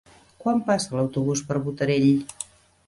Quan passa l'autobús per Botarell?